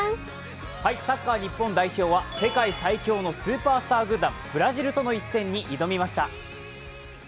サッカー日本代表は世界最強のスーパースター軍団ブラジルとの一戦に挑みました。